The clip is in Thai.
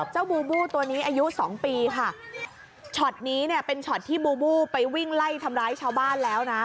เจ้าบูบูตัวนี้อายุ๒ปีชอตนี้เป็นชอตที่บูบูไปวิ่งไล่ทำร้ายชาวบ้านแล้ว